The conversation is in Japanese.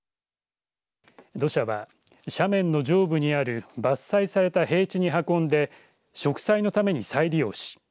土砂は斜面の上部にある伐採された平地に運んで植栽のために再利用し